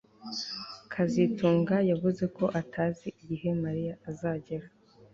kazitunga yavuze ko atazi igihe Mariya azagera